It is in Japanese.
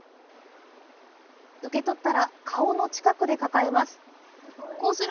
受け取ったら顔の近くで抱えます。